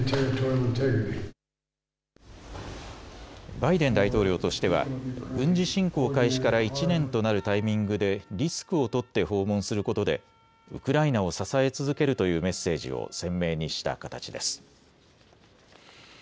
バイデン大統領としては軍事侵攻開始から１年となるタイミングでリスクを取って訪問することでウクライナを支え続けるというメッセージを鮮明にした形です。